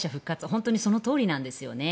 本当にそのとおりなんですね。